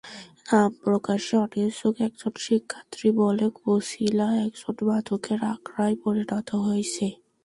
নাম প্রকাশে অনিচ্ছুক একজন শিক্ষার্থী বলে, বছিলা এখন মাদকের আখড়ায় পরিণত হয়েছে।